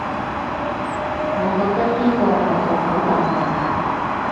我覺得呢個係個好大問題